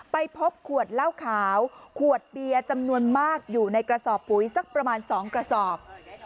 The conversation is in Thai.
ไปพบขวดเหล้าขาวขวดเบียร์จำนวนมากอยู่ในกระสอบปุ๋ยสักประมาณ๒กระสอบ